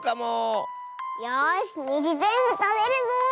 よしにじぜんぶたべるぞ！